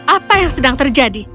apa yang sedang terjadi